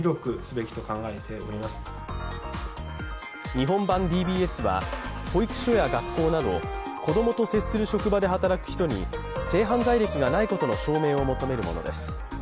日本版ＤＢＳは、保育所や学校など子供と接する職場で働く人に性犯罪歴がないことの証明を求めるものです。